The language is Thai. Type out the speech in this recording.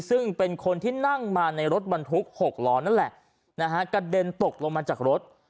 ซึ่งเป็นคนที่นั่งมาในรถบรรทุก๖ล้อนั่นแหละนะฮะกระเด็นตกลงมาจากรถ